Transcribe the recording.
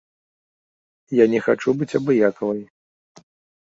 Я не хачу быць абыякавай.